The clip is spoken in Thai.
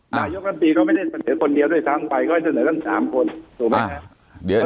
นายกรรมปีเขาไม่ได้เสนอคนเดียวด้วยทางไปเขาให้เสนอกัน๓คนถูกไหมครับ